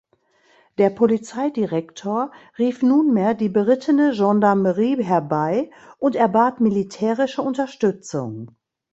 Der Polizeidirektor rief nunmehr die berittene Gendarmerie herbei und erbat militärische Unterstützung.